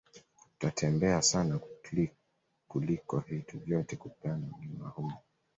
Utatembea sana kliko vitu vyote ukipanda mlima huu